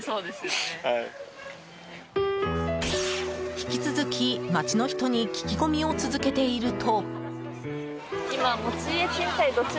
引き続き、街の人に聞き込みを続けていると。